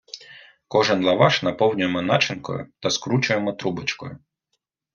Кожен лаваш наповнюємо начинкою та скручуємо трубочкою.